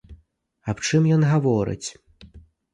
Аб чым ён гаворыць?